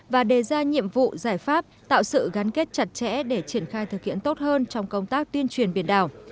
và đề ra nhiệm vụ giải pháp tạo sự gắn kết chặt chẽ để triển khai thực hiện tốt hơn trong công tác tuyên truyền biển đảo